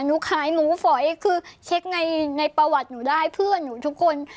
หนูขายหมูฝอยคือเช็คในประวัติหนูได้เพื่อนหนูทุกคน